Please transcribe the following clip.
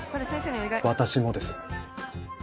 私もです。